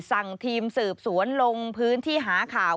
สั่งทีมสืบสวนลงพื้นที่หาข่าว